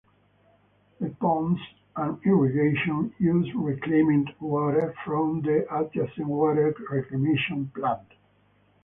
The ponds and irrigation use reclaimed water from the adjacent water reclamation plant.